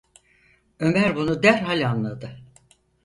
Ömer bunu derhal anladı.